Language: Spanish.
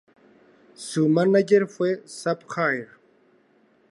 Su mánager fue Sapphire.